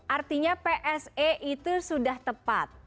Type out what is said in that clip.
artinya pse itu sudah tepat